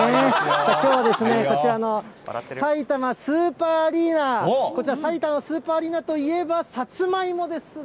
きょうはですね、こちらのさいたまスーパーアリーナ、こちら、さいたまスーパーアリーナといえば、さつまいもですね。